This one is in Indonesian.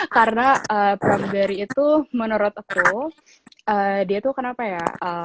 karena pramugari itu menurut aku dia tuh kenapa ya